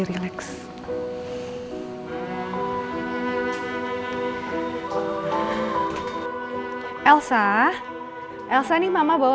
tidak ada apa apa